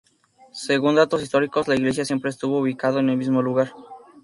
Según datos históricos la iglesia siempre estuvo ubicado en el mismo lugar.